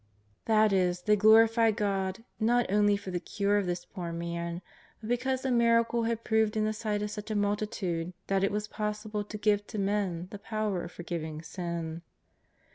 '' That is, they glorified God, not only for the cure of this poor man, but because the miracle had proved in the sight of such a multitude that it was possible to give to men the power of forgiving sin.